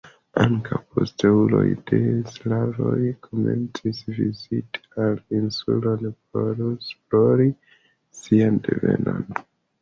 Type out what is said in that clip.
Ankaŭ posteuloj de sklavoj komencis viziti al insulon por esplori sian devenon.